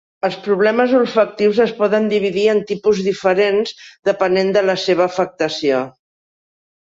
Els problemes olfactius es poden dividir en tipus diferents depenent de la seva afectació.